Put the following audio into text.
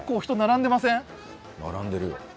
並んでるよ。